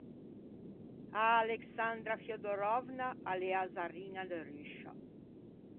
A Alexandra Feodorovna a l’ea a zariña de Ruscia.